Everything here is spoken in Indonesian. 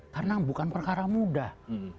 karena bukan perkara mudah